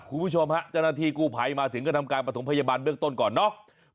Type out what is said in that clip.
คุณผู้ชมฮะเจ้าหน้าที่กู้ภัยมาถึงก็ทำการประถมพยาบาลเบื้องต้นก่อนเนาะ